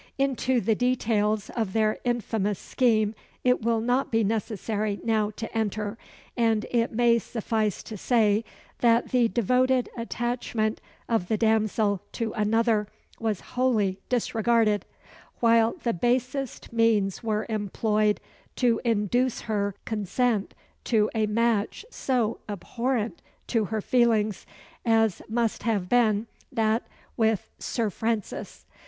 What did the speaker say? Into the details of their infamous scheme, it will not be necessary now to enter; and it may suffice to say, that the devoted attachment of the damsel to another was wholly disregarded, while the basest means were employed to induce her consent to a match so abhorrent to her feelings, as must have been that with Sir Francis.